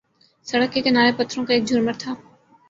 سڑک کے کنارے پتھروں کا ایک جھرمٹ تھا